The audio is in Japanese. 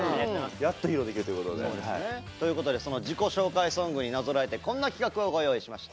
やっと披露できるということで。ということでその自己紹介ソングになぞらえてこんな企画をご用意しました。